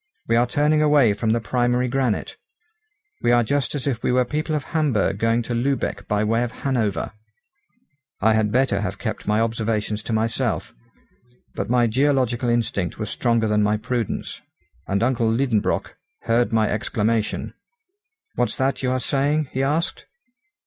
We are turning away from the primary granite. We are just as if we were people of Hamburg going to Lübeck by way of Hanover!" I had better have kept my observations to myself. But my geological instinct was stronger than my prudence, and uncle Liedenbrock heard my exclamation. "What's that you are saying?" he asked.